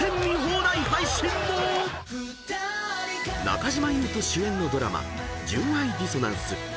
［中島裕翔主演のドラマ『純愛ディソナンス』］